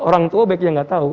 orang tua baiknya nggak tahu